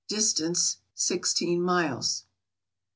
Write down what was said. Distance sixteen miles.